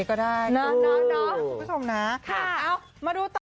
อ่าอ่าอ่าอ่าอ่า